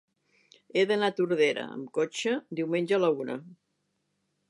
He d'anar a Tordera amb cotxe diumenge a la una.